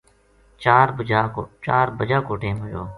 چار بجا کو ٹیم ہویو